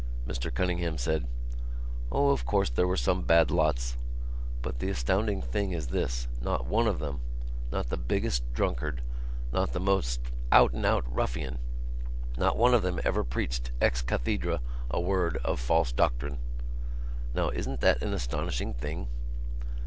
Mr Cunningham said: "O, of course, there were some bad lots.... But the astonishing thing is this. Not one of them, not the biggest drunkard, not the most ... out and out ruffian, not one of them ever preached ex cathedra a word of false doctrine. Now isn't that an astonishing thing?"